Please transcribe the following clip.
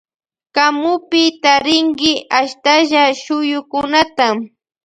Kamupi tarinki ashtalla shuyukunata.